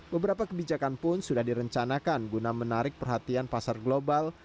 beberapa kebijakan pun sudah direncanakan guna menarik perhatian pasar global